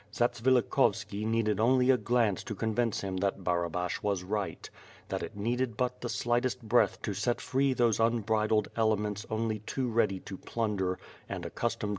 Zatsvilikhovski needed only a glance to convince him that Barabash was right, that it needed but the slightest breath to set free those un bridled elements only too ready to plunder and accustomed WITH FIRE AND 8W0RD.